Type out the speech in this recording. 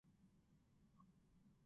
使用不可。